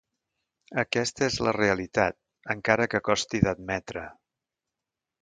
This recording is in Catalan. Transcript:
Aquesta és la realitat, encara que costi d’admetre.